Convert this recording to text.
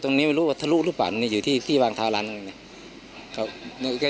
จนใดเจ้าของร้านเบียร์ยิงใส่หลายนัดเลยค่ะ